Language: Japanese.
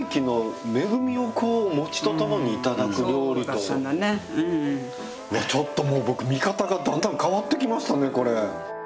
じゃあ本当にこうちょっともう僕見方がだんだん変わってきましたねこれ。